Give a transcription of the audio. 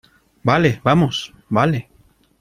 vale, vamos. vale .